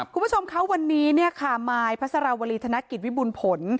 คุณผู้ชมครับวันนี้ค่ะมายพัทธารวรีธนกิจวิบุรณผล